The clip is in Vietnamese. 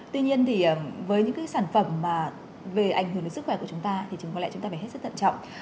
tuy nhiên thì với những sản phẩm mà về ảnh hưởng đến sức khỏe của chúng ta thì chúng ta phải hết sức tận trọng